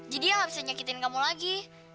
jadi dia gak bisa nyakitin kamu lagi